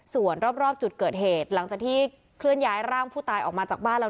ส่วนรอบจุดเกิดเหตุหลังจากที่เคลื่อนย้ายร่างผู้ตายออกมาจากบ้านแล้ว